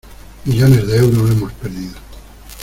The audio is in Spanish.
Millones de euros, hemos perdido.